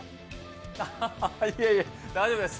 ははは、いえいえ、大丈夫です。